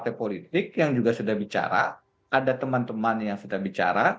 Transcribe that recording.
ada partai politik yang sudah bicara ada teman temannya yang sudah bicara